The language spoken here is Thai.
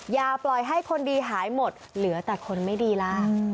อย่าปล่อยให้คนดีหายหมดเหลือแต่คนไม่ดีล่ะ